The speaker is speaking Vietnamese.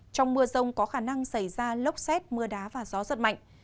trong mưa rông có khả năng xảy ra lốc xét mưa đá và gió giật mạnh